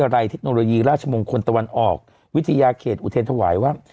ราชมงค์คนตะวันออกวิทยาเขตอุทธิ์สวัยว่า